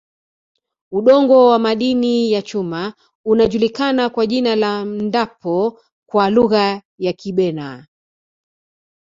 Udongo wa madini ya chuma unajulikana kwa jina la Mdapo kwa Lugha ya Kibena